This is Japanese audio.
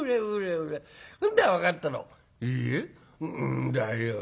「んだよ。